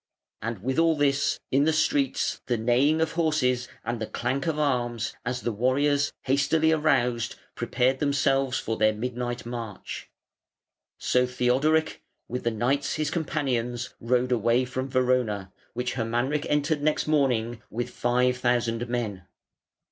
And with all this, in the streets the neighing of horses, and the clank of arms, as the warriors, hastily aroused, prepared themselves for their midnight march. So Theodoric, with the knights his companions, rode away from Verona, which Hermanric entered next morning with five thousand men.